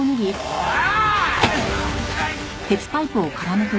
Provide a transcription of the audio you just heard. おい！